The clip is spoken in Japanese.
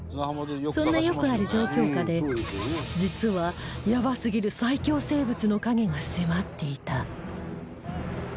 そんなよくある状況下で実はヤバすぎる最恐生物の影が迫っていた